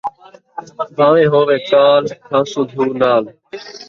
بھانویں ہووے کال، کھاسوں گھیو نال